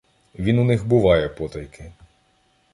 Він у них буває потайки.